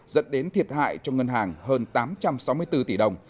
dẫn đến thiệt hại cho ngân hàng hơn tám trăm sáu mươi bốn tỷ đồng